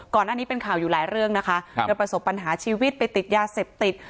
ก่อนหน้านี้เป็นข่าวอยู่หลายเรื่องนะคะเธอประสบปัญหาชีวิตไปติดยาเสพติด